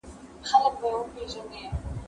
زه بايد لاس پرېولم؟!